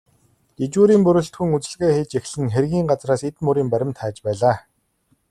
Жижүүрийн бүрэлдэхүүн үзлэгээ хийж эхлэн хэргийн газраас эд мөрийн баримт хайж байлаа.